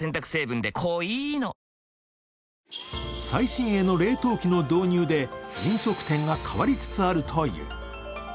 最新鋭の冷凍機の導入で飲食店が変わりつつあるという。